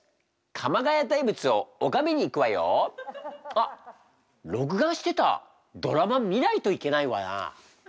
あっ録画してたドラマ見ないといけないわな。